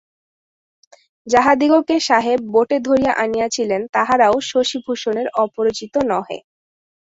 যাহাদিগকে সাহেব বোটে ধরিয়া আনিয়াছিলেন তাহারাও শশিভূষণের অপরিচিত নহে।